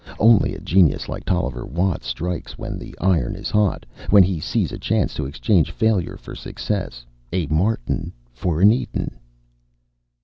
"Only a genius like Tolliver Watt strikes when the iron is hot, when he sees a chance to exchange failure for success, a Martin for an Eden."